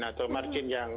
atau margin yang